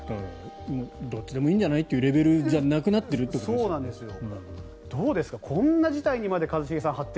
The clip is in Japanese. どっちでもいいんじゃないっていうレベルじゃもうなくなっているってことですよね。